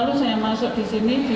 di samping pasien itu sendiri